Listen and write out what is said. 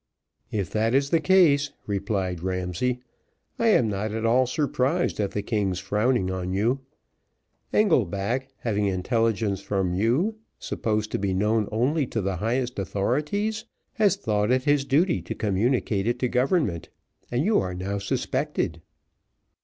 "If that is the case," replied Ramsay, "I am not at all surprised at the king's frowning on you: Engelback having intelligence from you, supposed to be known only to the highest authorities, has thought it his duty to communicate it to government, and you are now suspected."